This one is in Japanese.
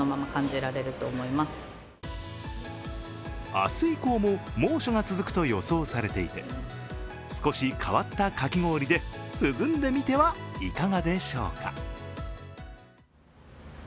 明日以降も猛暑が続くと予想されていて、少し変わったかき氷で涼んでみてはいかがでしょうか？